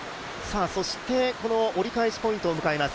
そして、折り返しポイントを迎えます。